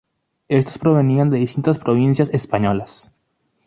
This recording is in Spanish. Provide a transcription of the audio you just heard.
Estos provenían de distintas provincias españolas.